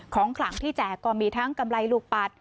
ขลังที่แจกก็มีทั้งกำไรลูกปัด